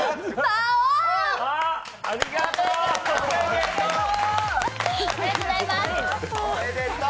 ありがとうございます。